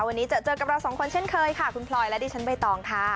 วันนี้เจอกับเราสองคนเช่นเคยค่ะคุณพลอยและดิฉันใบตองค่ะ